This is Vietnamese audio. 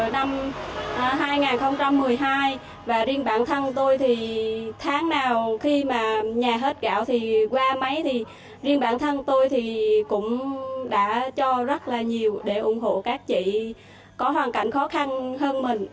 năm hai nghìn một mươi hai và riêng bản thân tôi thì tháng nào khi mà nhà hết gạo thì qua mấy thì riêng bản thân tôi thì cũng đã cho rất là nhiều để ủng hộ các chị có hoàn cảnh khó khăn hơn mình